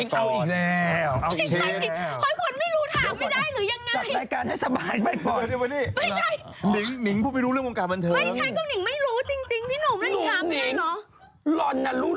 แต่หน่อยหนูเคยทำ